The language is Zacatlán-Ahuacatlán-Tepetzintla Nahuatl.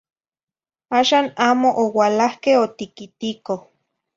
Axan amo oualahque otiquitico.